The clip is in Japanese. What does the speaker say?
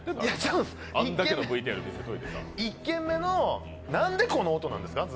１軒目の、何でこんな音なんですか？